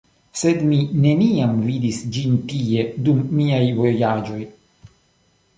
Sed mi neniam vidis ĝin tie dum miaj vojaĝoj.